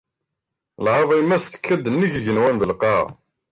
Lɛaḍima-s tekka-d nnig yigenwan d lqaɛa.